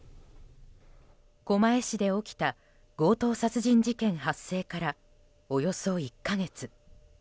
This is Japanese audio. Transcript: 狛江市で起きた強盗殺人事件発生からおよそ１か月。